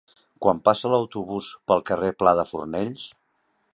Quan passa l'autobús pel carrer Pla de Fornells?